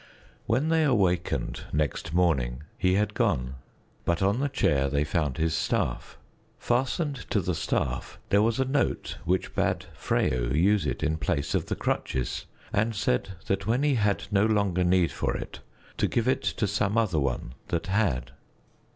When they awakened next morning, he had gone; but on the chair they found his staff. Fastened to the staff there was a note which bade Freyo use it in place of the crutches, and said when he had no longer need for it to give it to some other one that had.